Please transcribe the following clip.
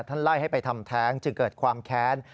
ไล่ให้ไปทำแท้งจึงเกิดความแค้น